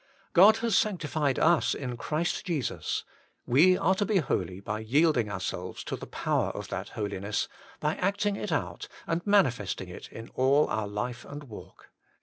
God has sanctified us in Christ Jesus: we are to be holy by yielding ourselves to the power of that holiness, by acting it out, and manifesting it in all our life and walk.